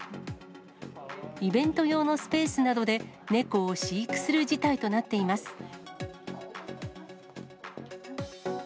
イベント用のスペースなどで、猫を飼育する事態となっています。